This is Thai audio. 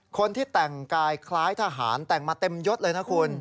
คนที่แต่งกายคล้ายทหารแต่งมาเต็มยดเลยนะคุณ